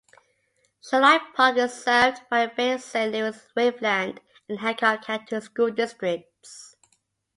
Shoreline Park is served by the Bay Saint Louis-Waveland and Hancock County school districts.